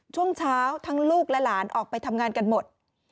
ช่วงเช้าทั้งลูกและหลานออกไปทำงานกันหมด